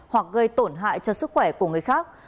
hoặc gây tổn hại cho sức khỏe của người khác